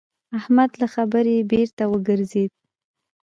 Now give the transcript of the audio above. احمد له خبرې بېرته وګرځېد.